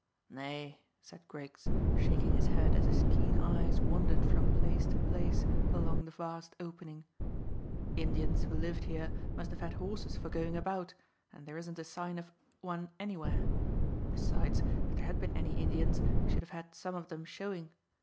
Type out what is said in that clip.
"Nay," said Griggs, shaking his head as his keen eyes wandered from place to place along the vast opening. "Indians who lived here must have had horses for going about, and there isn't a sign of one anywhere. Besides, if there had been any Indians we should have had some of them showing.